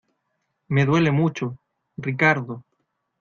me duele mucho. Ricardo .